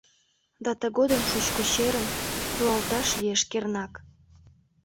Да тыгодым шучко черым Руалташ лиеш кернак.